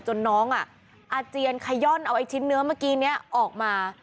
น้องอาเจียนขย่อนเอาไอ้ชิ้นเนื้อเมื่อกี้นี้ออกมา